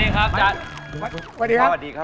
คุณผู้ชมวาดีครับ